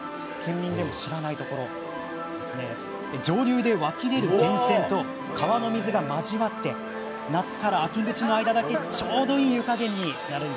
上流で湧き出る源泉と川の水が交わり夏から秋口の間だけちょうどいい湯加減に。